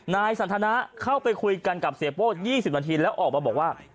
นายสันทนะเข้าไปคุยกันกับเสียโป้๒๐นาทีแล้วออกมาบอกว่า